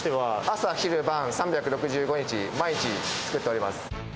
朝昼晩３６５日、毎日作っております。